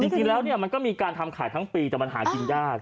จริงแล้วเนี่ยมันก็มีการทำขายทั้งปีแต่มันหากินยาก